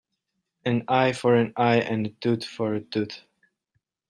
An eye for an eye and a tooth for a tooth.